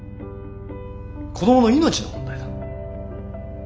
子供の命の問題だ。